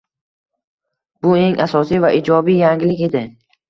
Bu eng asosiy va ijobiy yangilik edi